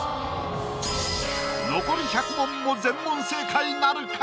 残り１００問も全問正解なるか⁉